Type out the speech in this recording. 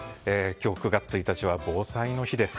今日９月１日は防災の日です。